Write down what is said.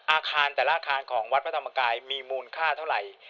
อาคารแต่ละอาคารของวัดพระธรรมกายมีมูลค่าเท่าไหร่